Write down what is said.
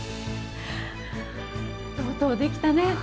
とうとう出来たね！